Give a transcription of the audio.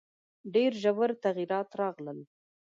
ډېر ژور تغییرات راغلل.